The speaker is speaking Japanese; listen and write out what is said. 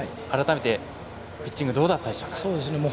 改めて、ピッチングどうだったでしょうか？